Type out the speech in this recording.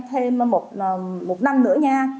thêm một năm nữa nha